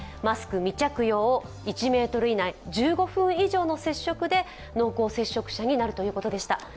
マスク未着用、１ｍ以内、１５分以上の接触で濃厚接触者になるということでした。